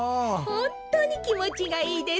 ほんとうにきもちがいいですねえ。